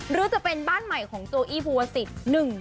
หรือจะเป็นบ้านใหม่ของโจอี้ภูวศิษย์